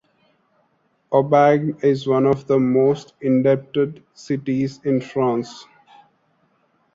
Aubagne is one of the most indebted cities in France.